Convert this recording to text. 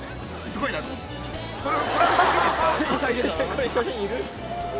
これ写真いる？